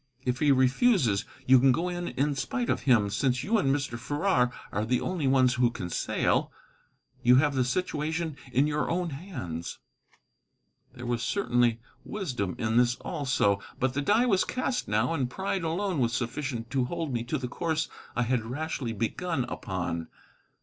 If he refuses, you can go in in spite of him, since you and Mr. Farrar are the only ones who can sail. You have the situation in your own hands." There was certainly wisdom in this, also. But the die was cast now, and pride alone was sufficient to hold me to the course I had rashly begun upon.